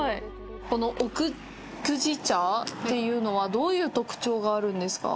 この奥久慈茶というのは、どういう特徴があるんですか。